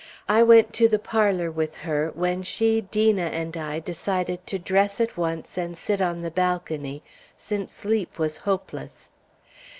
I went to the parlor with her, when she, Dena, and I, decided to dress at once and sit on the balcony, since sleep was hopeless.